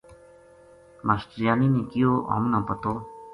ماشٹریانی نے کہیو:”ہمنا پتو